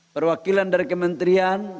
perwakilan dari kementerian